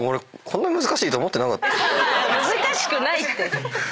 難しくないって。